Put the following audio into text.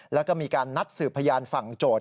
แล้วก็มีการนัดสืบพยานฝั่งโจทย